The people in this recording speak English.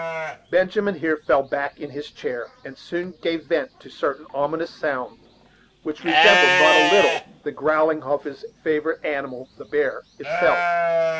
Benjamin here fell back in his chair, and soon gave vent to certain ominous sounds, which resembled not a little the growling of his favorite animal the bear itself.